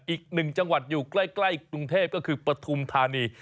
อีกหนึ่งจังหวัดอยู่ใกล้กรุงเทพก็คือปฐุมธานี